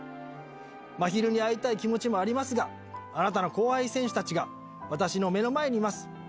まひるに会いたい気持ちもありますが、あなたの後輩選手たちが私の目の前にいます。